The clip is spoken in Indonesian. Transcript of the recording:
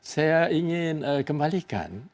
saya ingin kembalikan